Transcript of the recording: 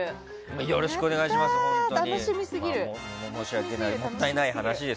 よろしくお願いします。